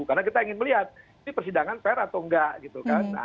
karena kita ingin melihat ini persidangan fair atau enggak gitu kan